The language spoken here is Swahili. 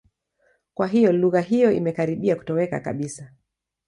Kwa hiyo, lugha hiyo imekaribia kutoweka kabisa.